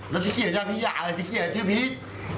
รถทริกขี่หรือเจ้าพีชเออรถทริกขี่หรือเจ้าพีช